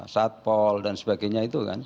satpol dan sebagainya itu kan